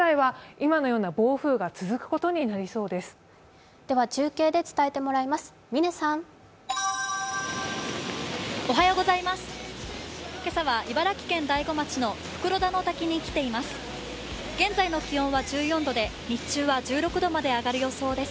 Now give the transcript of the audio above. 今朝は茨城県大子町の袋田の滝に来ています。